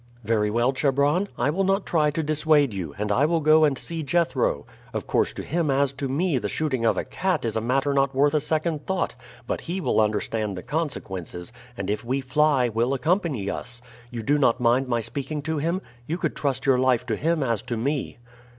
"Very well, Chebron, I will not try to dissuade you, and I will go and see Jethro. Of course to him as to me the shooting of a cat is a matter not worth a second thought; but he will understand the consequences, and if we fly will accompany us. You do not mind my speaking to him? You could trust your life to him as to me."